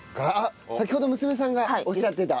先ほど娘さんがおっしゃってた。